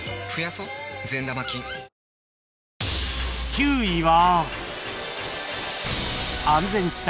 ９位は